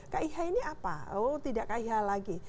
kih ini apa oh tidak kih lagi